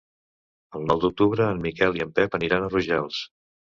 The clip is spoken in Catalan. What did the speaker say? El nou d'octubre en Miquel i en Pep aniran a Rojals.